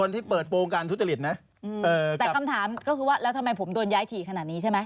แต่คำถามก็คือว่าแล้วทำไมผมเดินย้ายถี่ขนาดนี้ใช่ไหม